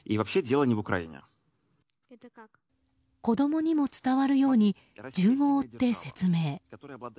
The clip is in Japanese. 子供にも伝わるように順を追って説明。